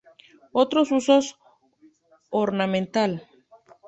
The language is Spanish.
Otros usos: Ornamental.